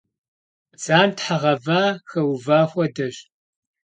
Бдзантхьэ гъэва хэува хуэдэщ.